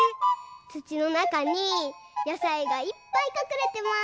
つちのなかにやさいがいっぱいかくれてます。